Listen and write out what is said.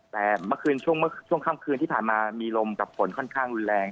แต่เมื่อคืนช่วงค่ำคืนที่ผ่านมามีลมกับฝนค่อนข้างรุนแรง